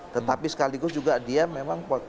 tetapi sekaligus juga dia memang